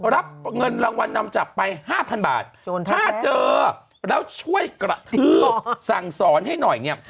รับเงินรางวัลนำจับไป๕๐๐บาทถ้าเจอแล้วช่วยกระทืบสั่งสอนให้หน่อยเนี่ย